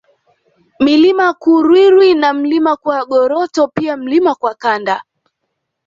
Milima ya Kurwirwi na Mlima Kwagoroto pia Mlima Kwakanda